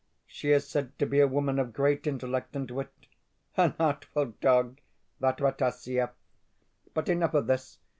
She is said to be a woman of great intellect and wit. An artful dog, that Rataziaev! But enough of this.